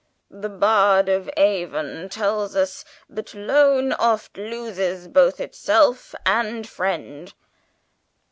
The Bard of Avon tells us, that 'loan oft loses both itself and friend.'